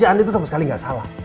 kerja andin itu sama sekali gak salah